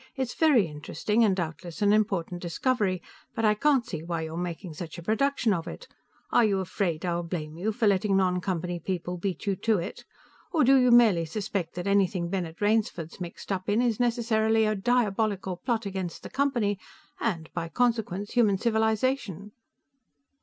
"It's very interesting, and doubtless an important discovery, but I can't see why you're making such a production of it. Are you afraid I'll blame you for letting non Company people beat you to it? Or do you merely suspect that anything Bennett Rainsford's mixed up in is necessarily a diabolical plot against the Company and, by consequence, human civilization?"